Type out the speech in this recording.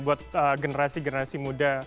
buat generasi generasi muda